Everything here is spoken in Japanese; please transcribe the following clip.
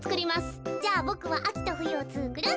じゃあボクはあきとふゆをつくる。